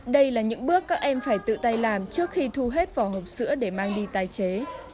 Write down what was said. đây là những bước các em phải tự tay làm trước khi thu hết vỏ hộp sữa để mang đi tái chế